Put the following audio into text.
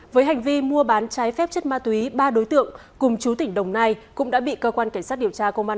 với hành vi mua bán trái phép chất ma túy ba đối tượng cùng chú tỉnh đồng nai cũng đã bị cơ quan cảnh sát điều tra công an